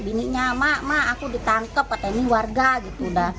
bininya mak mak aku ditangkap katanya ini warga gitu